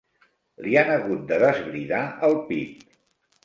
Li han hagut de desbridar el pit.